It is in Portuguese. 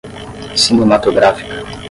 cinematográfica